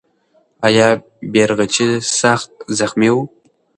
آیا بیرغچی سخت زخمي و؟